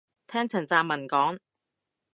聽陳湛文講